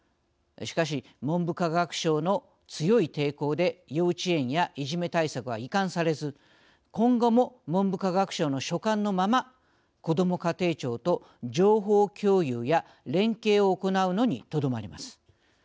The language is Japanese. しかし文部科学省の強い抵抗で幼稚園やいじめ対策は移管されず今後も文部科学省の所管のままこども家庭庁と情報共有や連携を行うのにとどまります。